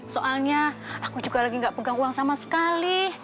soalnya aku juga lagi gak pegang uang sama sekali